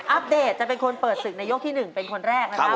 อปเดตจะเป็นคนเปิดศึกในยกที่๑เป็นคนแรกนะครับ